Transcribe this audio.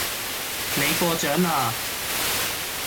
你過獎啦